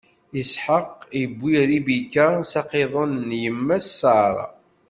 Isḥaq iwwi Ribika s aqiḍun n yemma-s Ṣara.